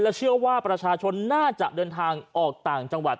ค่ะซึ่งเชื่อว่าประชาชนน่าจะเงินออกต่างจังหวัด